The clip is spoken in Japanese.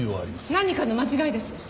何かの間違いです。